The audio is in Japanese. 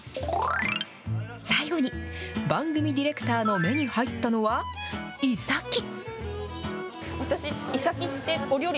最後に、番組ディレクターの目に入ったのは、イサキ。